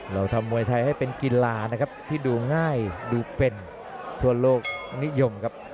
เราทำมวยไทยให้เป็นกีฬานะครับที่ดูง่ายดูเป็นทั่วโลกนิยมครับ